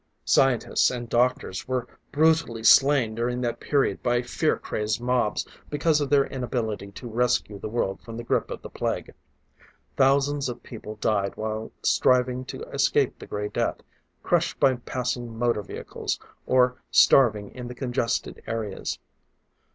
Scientists and doctors were brutally slain during that period by fear crazed mobs, because of their inability to rescue the world from the grip of the Plague. Thousands of people died while striving to escape from the Gray Death, crushed by passing motor vehicles, or starving in the congested areas.